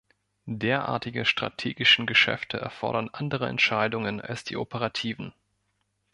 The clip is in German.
Derartige strategischen Geschäfte erfordern andere Entscheidungen als die operativen.